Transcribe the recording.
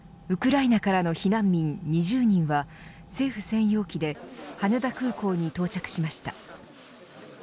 ウクライナからの避難民２０人は政府専用機で羽田空港に到着しました。